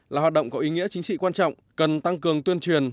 là hoạt động có ý nghĩa chính trị quan trọng cần tăng cường tuyên truyền